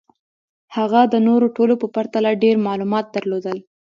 هغه د نورو ټولو په پرتله ډېر معلومات درلودل